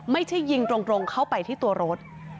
ไม่ใช่ยิงตรงเข้าไปที่ตัวรถ